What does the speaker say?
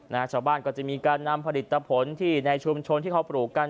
ชาวบ้านก็จะมีการนำผลิตผลที่ในชุมชนที่เขาปลูกกัน